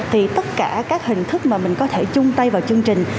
thì tất cả các hình thức mà mình có thể chung tay vào chương trình